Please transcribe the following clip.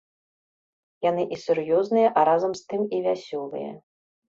Яны і сур'ёзныя, а разам з тым і вясёлыя.